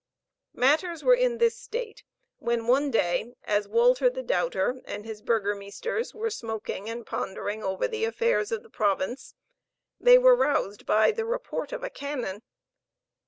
Matters were in this state, when, one day, as Walter the Doubter and his burgermeesters were smoking and pondering over the affairs of the province, they were roused by the report of a cannon.